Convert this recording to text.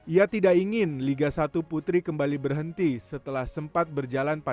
ia tidak ingin liga satu putri kembali berhenti setelah sempat berjalan pada dua ribu sembilan belas